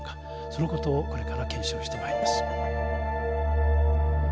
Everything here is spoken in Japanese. その事をこれから検証してまいります。